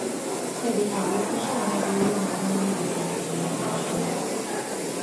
Tevékeny részese a megújuló magyar musical színjátszásnak.